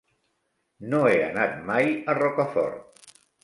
No he anat mai a Rocafort.